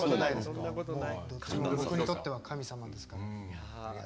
どっちも僕にとっては神様ですから。